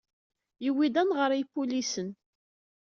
Yewwi-d ad naɣer i ipulisen.